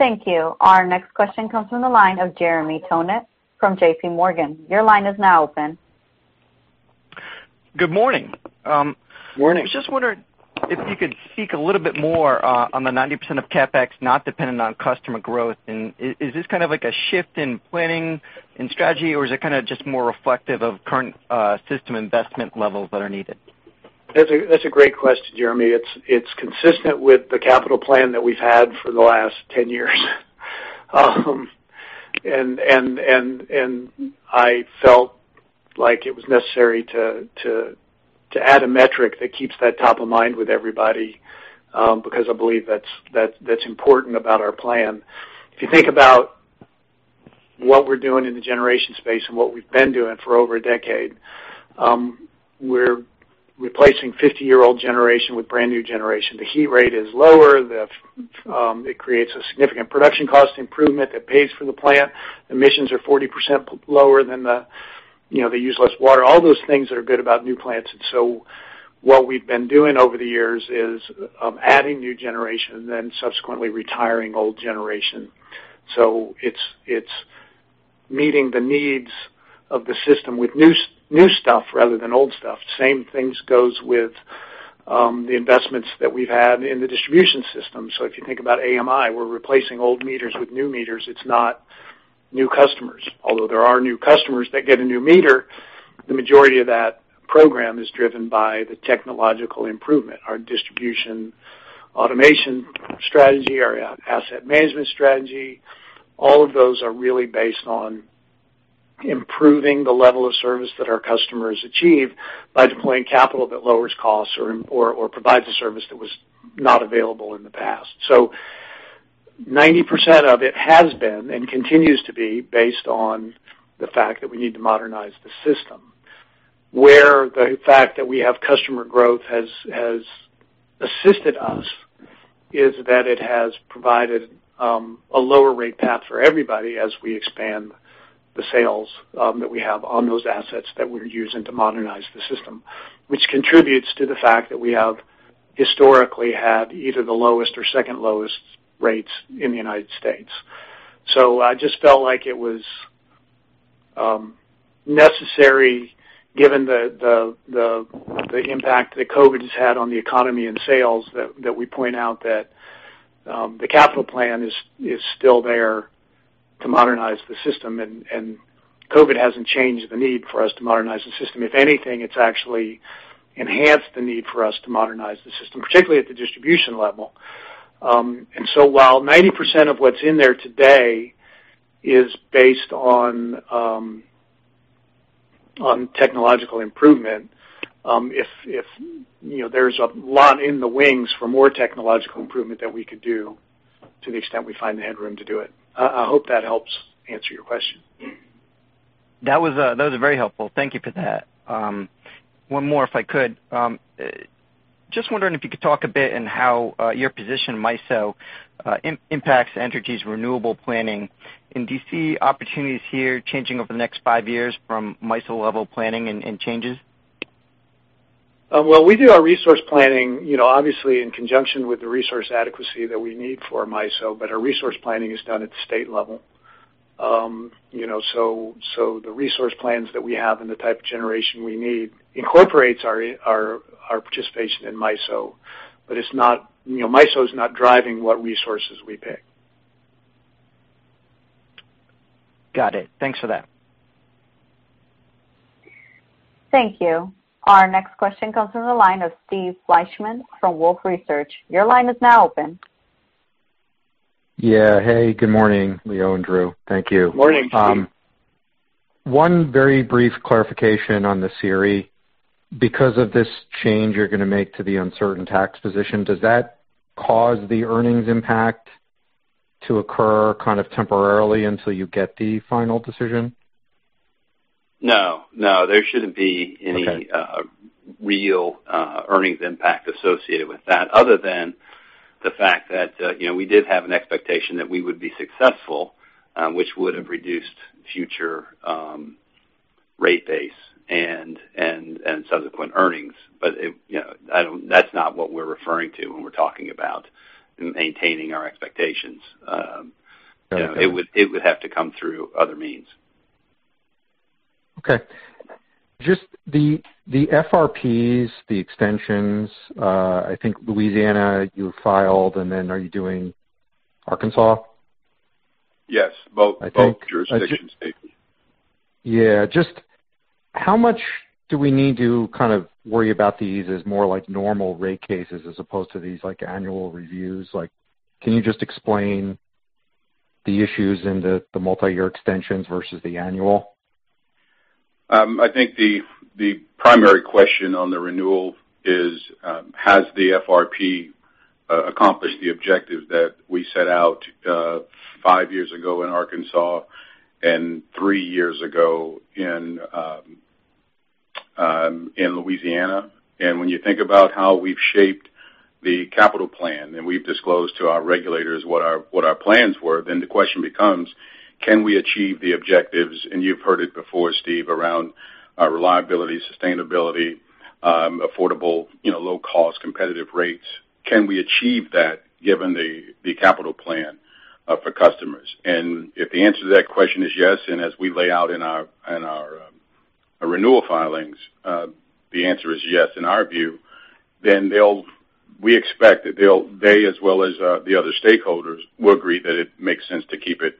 Thank you. Our next question comes from the line of Jeremy Tonet from JPMorgan. Your line is now open.
Good morning.
Morning.
I was just wondering if you could speak a little bit more on the 90% of CapEx not dependent on customer growth. Is this kind of like a shift in planning and strategy, or is it kind of just more reflective of current system investment levels that are needed?
That's a great question, Jeremy. It's consistent with the capital plan that we've had for the last 10 years. I felt like it was necessary to add a metric that keeps that top of mind with everybody, because I believe that's important about our plan. If you think about what we're doing in the generation space and what we've been doing for over a decade, we're replacing 50-year-old generation with brand-new generation. The heat rate is lower. It creates a significant production cost improvement that pays for the plant. Emissions are 40% lower, they use less water. All those things that are good about new plants. What we've been doing over the years is adding new generation and then subsequently retiring old generation. It's meeting the needs of the system with new stuff rather than old stuff. Same things goes with the investments that we've had in the distribution system. If you think about AMI, we're replacing old meters with new meters. It's not new customers, although there are new customers that get a new meter. The majority of that program is driven by the technological improvement. Our distribution automation strategy, our asset management strategy, all of those are really based on improving the level of service that our customers achieve by deploying capital that lowers costs or provides a service that was not available in the past. 90% of it has been and continues to be based on the fact that we need to modernize the system. Where the fact that we have customer growth has assisted us is that it has provided a lower rate path for everybody as we expand the sales that we have on those assets that we're using to modernize the system, which contributes to the fact that we have historically had either the lowest or second lowest rates in the U.S. I just felt like it was necessary given the impact that COVID has had on the economy and sales, that we point out that the capital plan is still there to modernize the system. COVID hasn't changed the need for us to modernize the system. If anything, it's actually enhanced the need for us to modernize the system, particularly at the distribution level. While 90% of what's in there today is based on technological improvement, there's a lot in the wings for more technological improvement that we could do to the extent we find the headroom to do it. I hope that helps answer your question.
That was very helpful. Thank you for that. One more, if I could. Just wondering if you could talk a bit in how your position in MISO impacts Entergy's renewable planning, and do you see opportunities here changing over the next five years from MISO level planning and changes?
Well, we do our resource planning, obviously in conjunction with the resource adequacy that we need for MISO, but our resource planning is done at the state level. The resource plans that we have and the type of generation we need incorporates our participation in MISO, but MISO is not driving what resources we pick.
Got it. Thanks for that.
Thank you. Our next question comes from the line of Steve Fleishman from Wolfe Research. Your line is now open.
Yeah. Hey, good morning, Leo and Drew. Thank you.
Morning, Steve.
One very brief clarification on the SERI. Because of this change you're going to make to the uncertain tax position, does that cause the earnings impact to occur kind of temporarily until you get the final decision?
No. There shouldn't be.
Okay
real earnings impact associated with that other than the fact that we did have an expectation that we would be successful, which would have reduced future rate base and subsequent earnings. That's not what we're referring to when we're talking about maintaining our expectations.
Okay.
It would have to come through other means.
Okay. Just the FRPs, the extensions, I think Louisiana you filed, and then are you doing Arkansas?
Yes. Both jurisdictions, Steve.
Yeah. Just how much do we need to kind of worry about these as more normal rate cases as opposed to these annual reviews? Can you just explain the issues in the multi-year extensions versus the annual?
I think the primary question on the renewal is, has the FRP accomplished the objective that we set out five years ago in Arkansas and three years ago in Louisiana? When you think about how we've shaped the capital plan, and we've disclosed to our regulators what our plans were, then the question becomes, can we achieve the objectives? You've heard it before, Steve, around reliability, sustainability, affordable low-cost competitive rates. Can we achieve that given the capital plan for customers? If the answer to that question is yes, and as we lay out in our renewal filings the answer is yes, in our view, then we expect that they, as well as the other stakeholders, will agree that it makes sense to keep it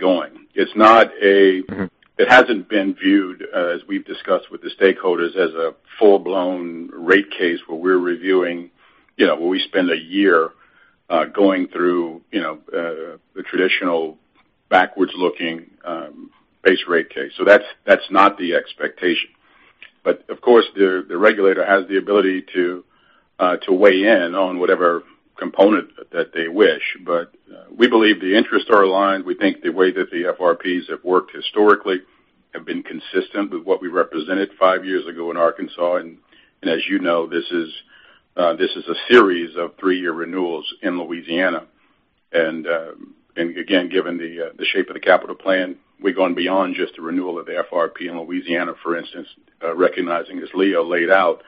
going. It hasn't been viewed, as we've discussed with the stakeholders, as a full-blown rate case where we spend a year going through the traditional backwards-looking base rate case. That's not the expectation. Of course, the regulator has the ability to weigh in on whatever component that they wish. We believe the interests are aligned. We think the way that the FRPs have worked historically have been consistent with what we represented five years ago in Arkansas. As you know, this is a series of three-year renewals in Louisiana. Again, given the shape of the capital plan, we've gone beyond just the renewal of the FRP in Louisiana, for instance, recognizing, as Leo laid out,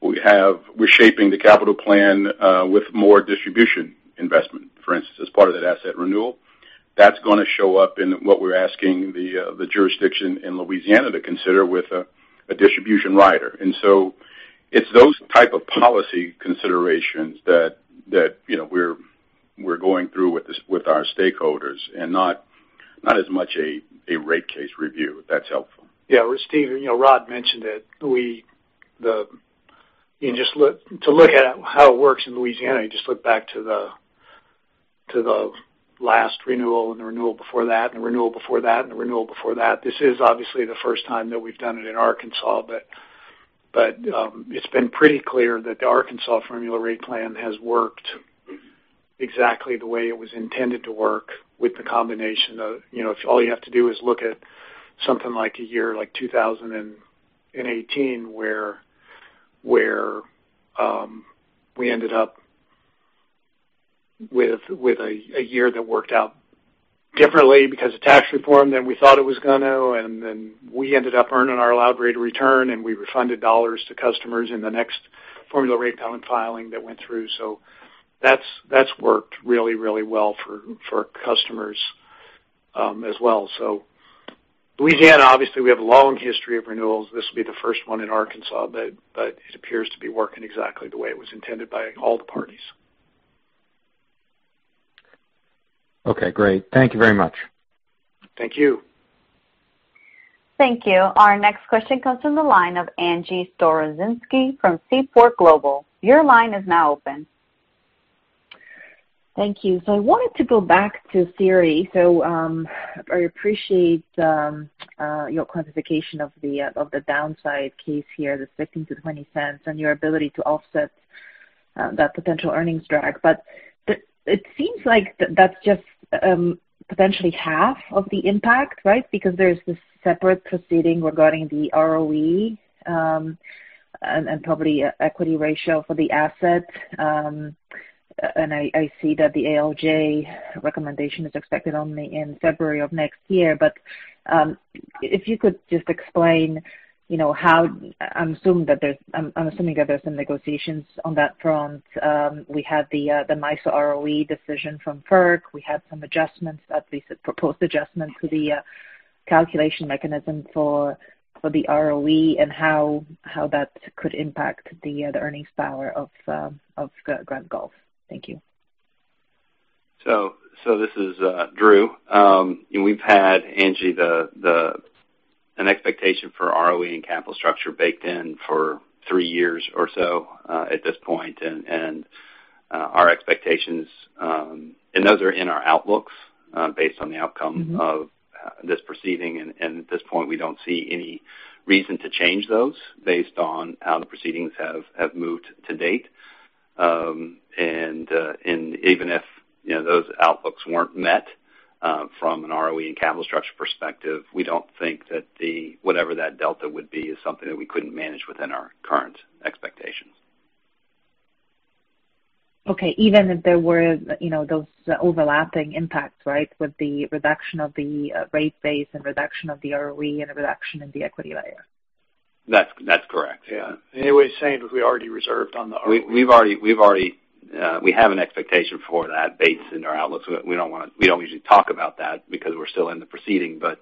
we're shaping the capital plan with more distribution investment, for instance, as part of that asset renewal. That's going to show up in what we're asking the jurisdiction in Louisiana to consider with a distribution rider. It's those type of policy considerations that we're going through with our stakeholders and not as much a rate case review, if that's helpful.
Yeah. Steve, Rod mentioned it. To look at how it works in Louisiana, you just look back to the last renewal and the renewal before that, and the renewal before that, and the renewal before that. This is obviously the first time that we've done it in Arkansas, but it's been pretty clear that the Arkansas formula rate plan has worked exactly the way it was intended to work with the combination of, all you have to do is look at something like a year like 2018, where we ended up with a year that worked out differently because of tax reform than we thought it was going to, and then we ended up earning our allowed rate of return, and we refunded dollars to customers in the next formula rate filing that went through. That's worked really well for customers as well. Louisiana, obviously we have a long history of renewals. This will be the first one in Arkansas, but it appears to be working exactly the way it was intended by all the parties.
Okay, great. Thank you very much.
Thank you.
Thank you. Our next question comes from the line of Angie Storozynski from Seaport Global. Your line is now open.
Thank you. I wanted to go back to SERI. I appreciate your quantification of the downside case here, the $0.15-$0.20, and your ability to offset that potential earnings drag. It seems like that's just potentially half of the impact, right? Because there's this separate proceeding regarding the ROE, and probably equity ratio for the asset. I see that the ALJ recommendation is expected in February of next year. If you could just explain how, I'm assuming that there's some negotiations on that front. We had the MISO ROE decision from FERC. We had some adjustments, at least proposed adjustments to the calculation mechanism for the ROE, and how that could impact the earnings power of Grand Gulf. Thank you.
This is Drew. We've had, Angie, an expectation for ROE and capital structure baked in for three years or so at this point. Those are in our outlooks based on the outcome of this proceeding, and at this point, we don't see any reason to change those based on how the proceedings have moved to date. Even if those outlooks weren't met from an ROE and capital structure perspective, we don't think that whatever that delta would be is something that we couldn't manage within our current expectations.
Okay. Even if there were those overlapping impacts, right? With the reduction of the rate base and reduction of the ROE and a reduction in the equity layer.
That's correct. Yeah.
He was saying that we already reserved on the ROE.
We have an expectation for that based in our outlook. We don't usually talk about that because we're still in the proceeding, but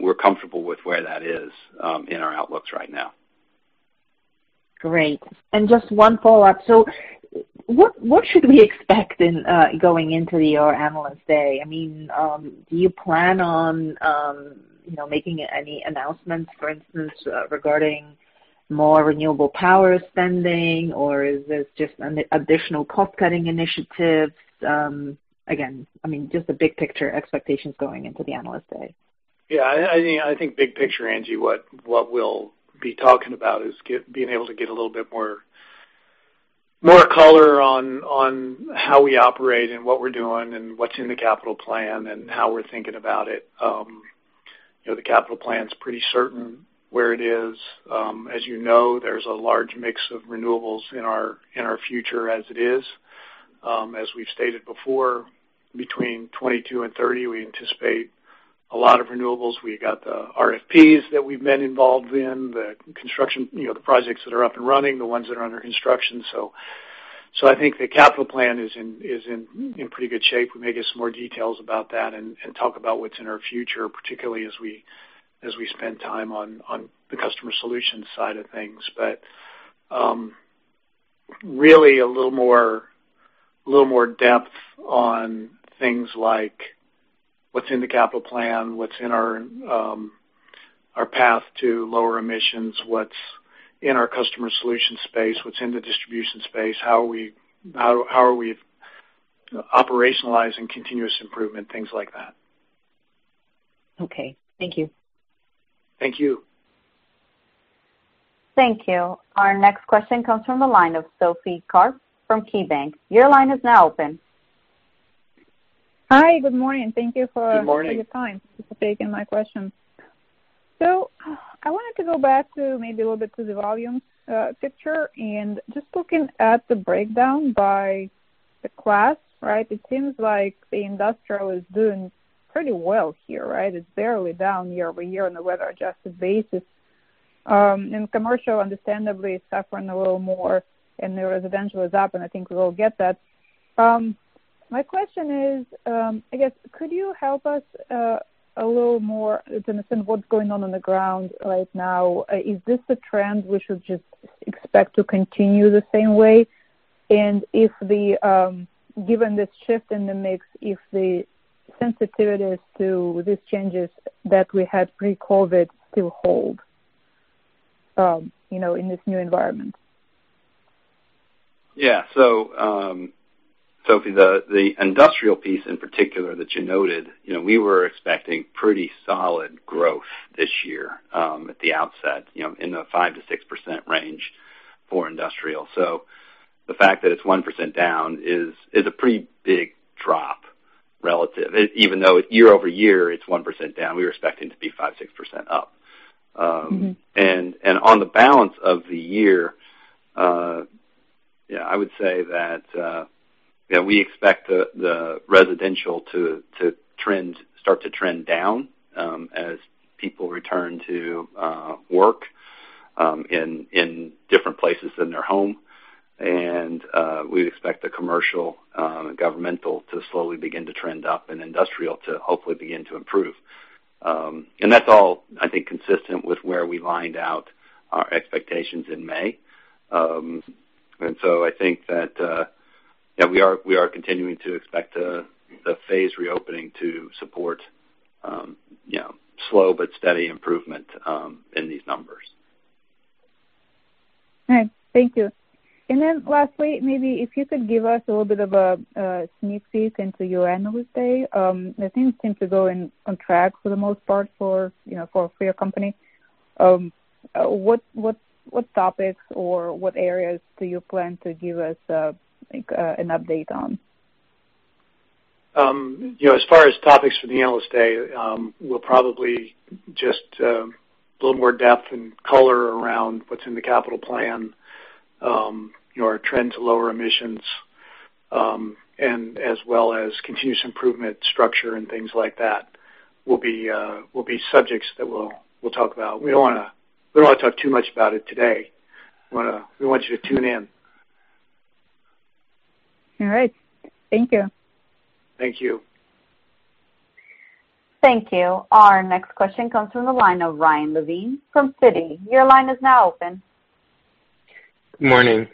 we're comfortable with where that is in our outlooks right now.
Great. Just one follow-up. What should we expect in going into your Analyst Day? Do you plan on making any announcements, for instance, regarding more renewable power spending? Is this just additional cost-cutting initiatives? Again, just the big picture expectations going into the Analyst Day.
Yeah. I think big picture, Angie, what we'll be talking about is being able to get a little bit more color on how we operate and what we're doing and what's in the capital plan and how we're thinking about it. The capital plan's pretty certain where it is. As you know, there's a large mix of renewables in our future as it is. As we've stated before, between 2022 and 2030, we anticipate a lot of renewables. We've got the RFPs that we've been involved in, the projects that are up and running, the ones that are under construction. I think the capital plan is in pretty good shape. We may give some more details about that and talk about what's in our future, particularly as we spend time on the customer solutions side of things. Really a little more depth on things like what's in the capital plan, what's in our path to lower emissions, what's in our customer solution space, what's in the distribution space, how are we operationalizing continuous improvement, things like that.
Okay. Thank you.
Thank you.
Thank you. Our next question comes from the line of Sophie Karp from KeyBanc. Your line is now open.
Hi. Good morning. Thank you for-
Good morning.
...taking the time to take in my questions. I wanted to go back to maybe a little bit to the volume picture and just looking at the breakdown by the class. It seems like the industrial is doing pretty well here. It's barely down year-over-year on a weather-adjusted basis. Commercial, understandably, is suffering a little more, and the residential is up, and I think we all get that. My question is I guess could you help us a little more to understand what's going on on the ground right now? Is this a trend we should just expect to continue the same way? Given this shift in the mix, if the sensitivities to these changes that we had pre-COVID still hold in this new environment?
Yeah. Sophie, the industrial piece in particular that you noted, we were expecting pretty solid growth this year at the outset in the 5%-6% range for industrial. The fact that it's 1% down is a pretty big drop relative. Even though year-over-year it's 1% down, we were expecting to be 5%-6% up. On the balance of the year, I would say that we expect the residential to start to trend down as people return to work in different places than their home. We expect the commercial and governmental to slowly begin to trend up and industrial to hopefully begin to improve. That's all, I think, consistent with where we lined out our expectations in May. I think that we are continuing to expect the phase reopening to support slow but steady improvement in these numbers.
All right. Thank you. Lastly, maybe if you could give us a little bit of a sneak peek into your Analyst Day. It seems to go on track for the most part for your company. What topics or what areas do you plan to give us an update on?
As far as topics for the Analyst Day, we'll probably just a little more depth and color around what's in the capital plan, our trend to lower emissions, and as well as continuous improvement structure and things like that will be subjects that we'll talk about. We don't want to talk too much about it today. We want you to tune in.
All right. Thank you.
Thank you.
Thank you. Our next question comes from the line of Ryan Levine from Citi. Your line is now open.
Morning.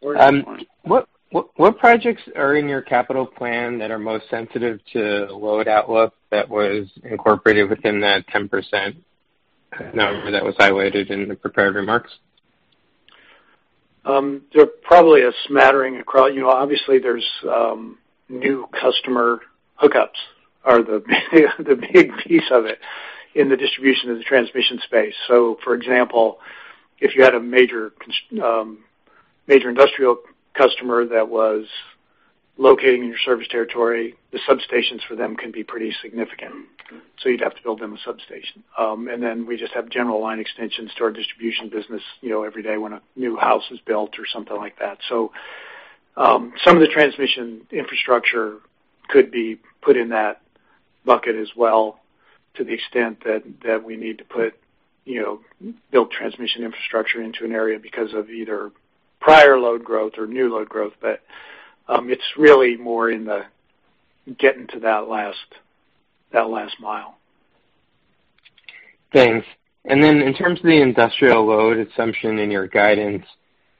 What projects are in your capital plan that are most sensitive to load outlook that was incorporated within that 10% number that was highlighted in the prepared remarks?
There are probably a smattering across-- obviously there's new customer hookups are the big piece of it in the distribution of the transmission space. For example, if you had a major industrial customer that was locating your service territory, the substations for them can be pretty significant. You'd have to build them a substation. We just have general line extensions to our distribution business, every day when a new house is built or something like that. Some of the transmission infrastructure could be put in that bucket as well to the extent that we need to build transmission infrastructure into an area because of either prior load growth or new load growth. It's really more in the getting to that last mile.
Thanks. In terms of the industrial load assumption in your guidance,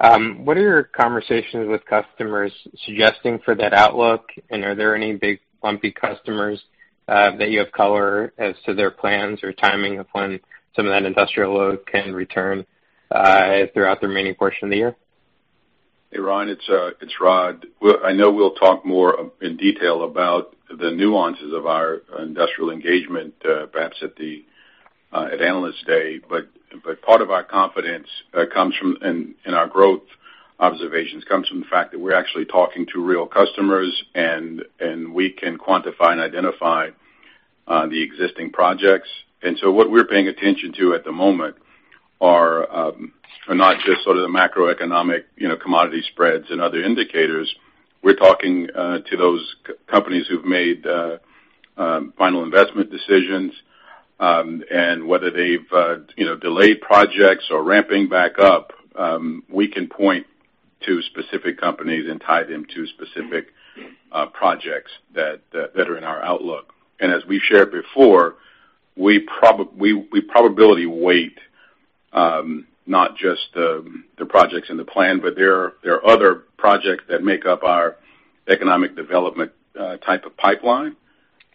what are your conversations with customers suggesting for that outlook? Are there any big lumpy customers that you have color as to their plans or timing of when some of that industrial load can return throughout the remaining portion of the year?
Hey, Ryan, it's Rod. I know we'll talk more in detail about the nuances of our industrial engagement perhaps at Analyst Day. Part of our confidence and our growth observations comes from the fact that we're actually talking to real customers, and we can quantify and identify the existing projects. What we're paying attention to at the moment are not just sort of the macroeconomic commodity spreads and other indicators. We're talking to those companies who've made final investment decisions. Whether they've delayed projects or ramping back up, we can point to specific companies and tie them to specific projects that are in our outlook. As we've shared before, we probability weight not just the projects in the plan. There are other projects that make up our economic development type of pipeline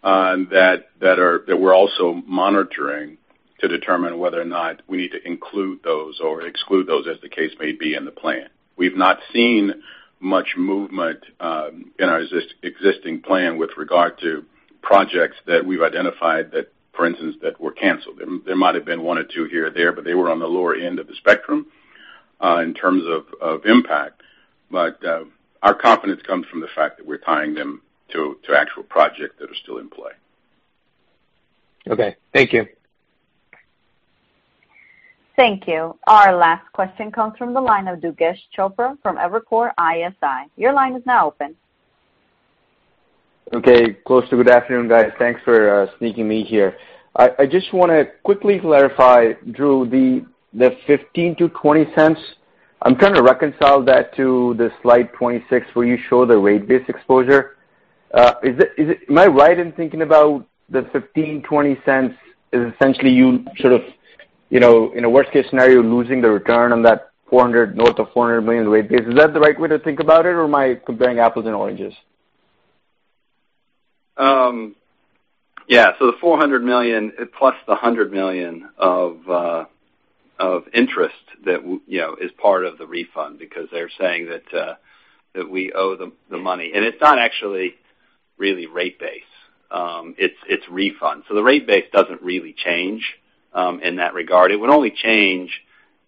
that we're also monitoring to determine whether or not we need to include those or exclude those as the case may be in the plan. We've not seen much movement in our existing plan with regard to projects that we've identified that, for instance, that were canceled. There might've been one or two here or there, but they were on the lower end of the spectrum in terms of impact. Our confidence comes from the fact that we're tying them to actual projects that are still in play.
Okay. Thank you.
Thank you. Our last question comes from the line of Durgesh Chopra from Evercore ISI. Your line is now open.
Okay. Close to good afternoon, guys. Thanks for sneaking me here. I just want to quickly clarify, Drew, the $0.15-$0.20. I'm trying to reconcile that to the slide 26 where you show the rate base exposure. Am I right in thinking about the $0.15, $0.20 is essentially you sort of, in a worst-case scenario, losing the return on that north of $400 million rate base? Is that the right way to think about it, or am I comparing apples and oranges?
Yeah. The $400 million plus the $100 million of interest that is part of the refund because they're saying that we owe them the money. It's not actually really rate base. It's refund. The rate base doesn't really change in that regard. It would only change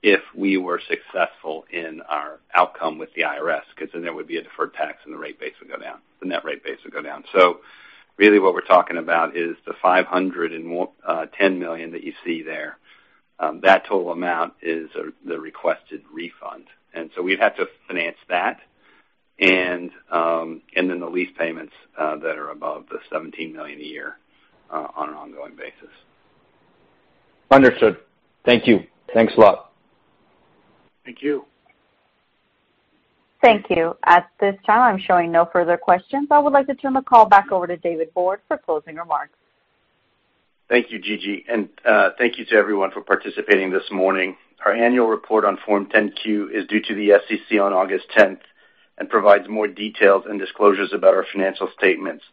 if we were successful in our outcome with the IRS because then there would be a deferred tax, and the rate base would go down. The net rate base would go down. Really what we're talking about is the $510 million that you see there. That total amount is the requested refund. We'd have to finance that. Then the lease payments that are above the $17 million a year on an ongoing basis.
Understood. Thank you. Thanks a lot.
Thank you.
Thank you. At this time, I'm showing no further questions. I would like to turn the call back over to David Borde for closing remarks.
Thank you, Gigi, and thank you to everyone for participating this morning. Our annual report on Form 10-Q is due to the SEC on August 10th and provides more details and disclosures about our financial statements.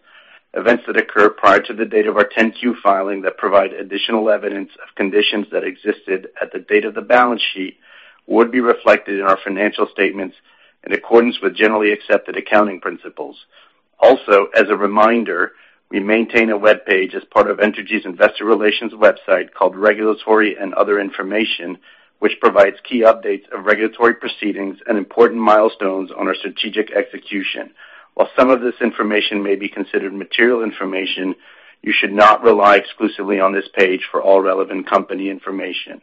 Events that occur prior to the date of our 10-Q filing that provide additional evidence of conditions that existed at the date of the balance sheet would be reflected in our financial statements in accordance with generally accepted accounting principles. Also, as a reminder, we maintain a webpage as part of Entergy's investor relations website called Regulatory and Other Information, which provides key updates of regulatory proceedings and important milestones on our strategic execution. While some of this information may be considered material information, you should not rely exclusively on this page for all relevant company information.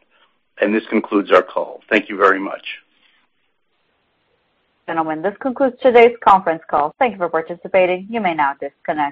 This concludes our call. Thank you very much.
Gentlemen, this concludes today's conference call. Thank you for participating. You may now disconnect.